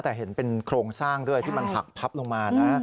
แต่เห็นเป็นโครงสร้างด้วยที่มันหักพับลงมานะ